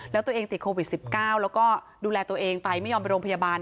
แล้วตัวเองติดโควิด๑๙แล้วก็ดูแลตัวเองไปไม่ยอมไปโรงพยาบาล